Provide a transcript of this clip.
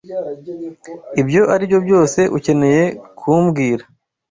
Ibyo aribyo byose ukeneye kumbwira.